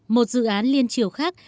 một dự án liên triều khác